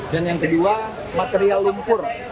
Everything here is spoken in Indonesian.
dan yang kedua material lumpur